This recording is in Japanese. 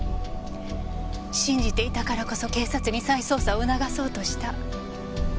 信じていたからこそ警察に再捜査を促そうとした。